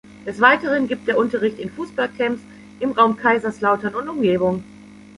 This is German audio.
Des Weiteren gibt er Unterricht in Fußball-Camps im Raum Kaiserslautern und Umgebung.